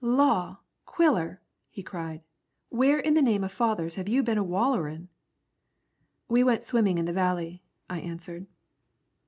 "Law! Quiller," he cried, "where in the name o' fathers have you been a wallerin'?" "We went swimming in the Valley," I answered.